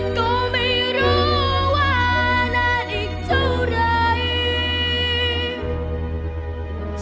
ก็ไม่รู้ว่านานอีกเท่าไร